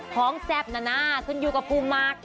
แซ่บนะนะขึ้นอยู่กับภูมิมาก